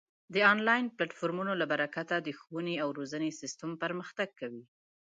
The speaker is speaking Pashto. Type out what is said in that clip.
د آنلاین پلتفورمونو له برکته د ښوونې او روزنې سیستم پرمختګ کوي.